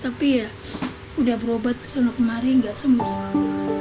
tapi ya sudah berobat ke sana kemari nggak sembuh sama orang